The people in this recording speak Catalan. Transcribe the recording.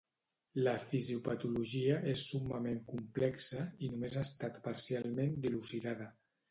La fisiopatologia és summament complexa i només ha estat parcialment dilucidada.